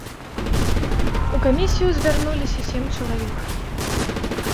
У камісію звярнуліся сем чалавек.